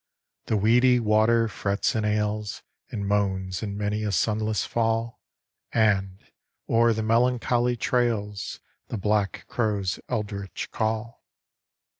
The weedy water frets and ails, And moans in many a sunless fall; And, o'er the melancholy, trails The black crow's eldritch call.